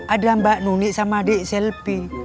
ada mbak nunik sama adik selpi